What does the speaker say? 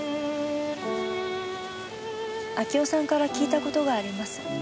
明夫さんから聞いた事があります。